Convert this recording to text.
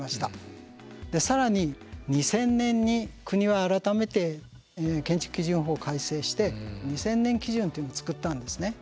更に２０００年に国は改めて建築基準法を改正して２０００年基準というのを作ったんですね。